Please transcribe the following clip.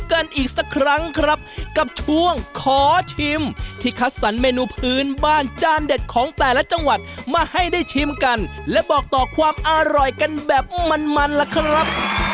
กันอีกสักครั้งครับกับช่วงขอชิมที่คัดสรรเมนูพื้นบ้านจานเด็ดของแต่ละจังหวัดมาให้ได้ชิมกันและบอกต่อความอร่อยกันแบบมันมันล่ะครับ